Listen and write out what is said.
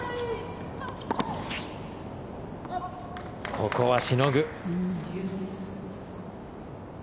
ここはしのぐ。